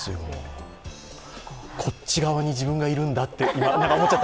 こっち側に自分がいるんだって思っちゃった。